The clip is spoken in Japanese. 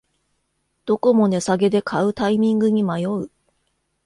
どこも値下げで買うタイミングに迷う